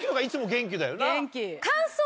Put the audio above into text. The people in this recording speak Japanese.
元気。